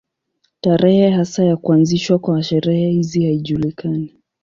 Tarehe hasa ya kuanzishwa kwa sherehe hizi haijulikani.